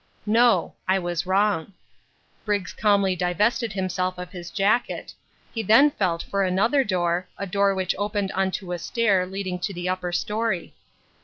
No. I was wrong. Briggs calmly divested himself of his jacket. He then felt for another door, a door which opened on to a stair leading to the upper storey.